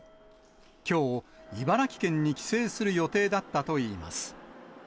きょう、茨城県に帰省する予定だったといいます。